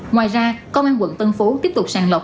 ngoài ra công an quận thân phú tiếp tục sàn lọc